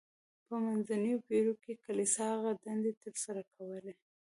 په منځنیو پیړیو کې کلیسا هغه دندې تر سره کولې.